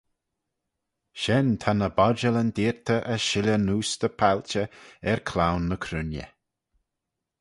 Shen ta ny bodjallyn deayrtey as shilley neose dy palchey er cloan ny cruinney.